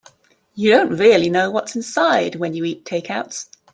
You don't really know what's inside when you eat takeouts.